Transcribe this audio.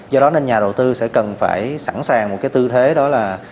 do đó nên nhà đầu tư sẽ cần phải sẵn sàng một cái tư thế đó là